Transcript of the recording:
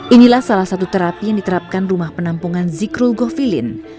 inilah salah satu terapi yang diterapkan rumah penampungan zikrul govilin